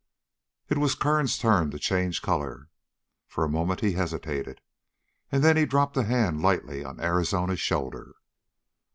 It was Kern's turn to change color. For a moment he hesitated, and then he dropped a hand lightly on Arizona's shoulder.